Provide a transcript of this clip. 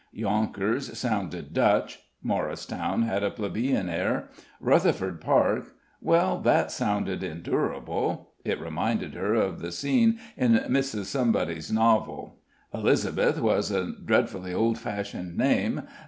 Yonkers sounded Dutch. Morristown had a plebeian air. Rutherford Park well, that sounded endurable; it reminded her of the scene in Mrs. Somebody's novel. Elizabeth was a dreadfully old fashioned name.